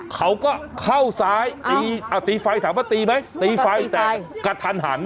เขาก็เข้าซ้ายตีไฟถามว่าตีไหมตีไฟแต่กระทันหัน